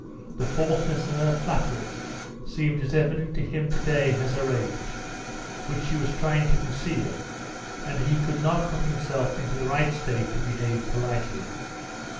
The falseness of her flattery seemed as evident to him to day as her age, which she was trying to conceal, and he could not put himself into the right state to behave politely.